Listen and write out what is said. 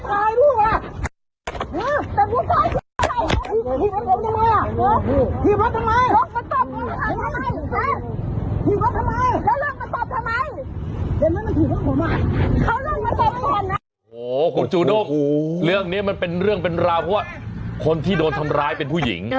โอ้โหคุณจูด้งเรื่องนี้มันเป็นเรื่องเป็นราวเพราะว่าคนที่โดนทำร้ายเป็นผู้หญิง